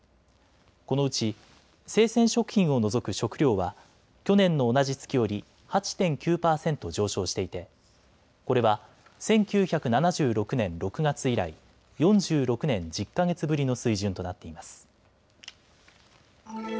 このうち生鮮食品を除く食料は去年の同じ月より８．９％上昇していてこれは１９７６年６月以来４６年１０か月ぶりの水準となっています。